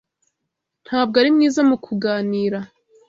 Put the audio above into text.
Ntabwo ari mwiza mu kuganira.